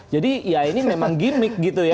jadi ya ini memang gimmick gitu ya